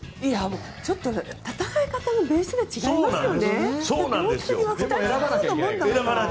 もう、戦い方のベースが違いますよね。